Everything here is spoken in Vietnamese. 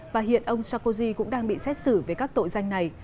và hiện ông sarkozy cũng đang bị xét xử về các tội danh này